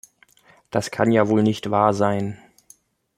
Das kann ja wohl nicht wahr sein!